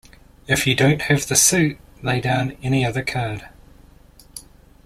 If you don't have the suit, lay down any other card.